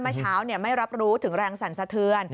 เมื่อเช้าไม่รับรู้ถึงแรงสั่นสะเทือน